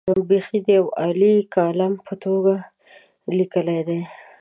بېخي د یوه عالي کالم په توګه لیکلي دي.